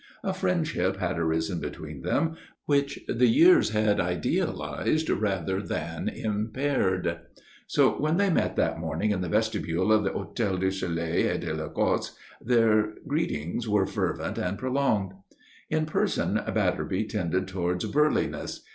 A friendship had arisen between them, which the years had idealized rather than impaired. So when they met that morning in the vestibule of the Hôtel du Soleil et de l'Ecosse their greetings were fervent and prolonged. In person Batterby tended towards burliness.